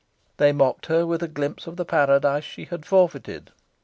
They mocked her with a glimpse of the paradise she had forfeited.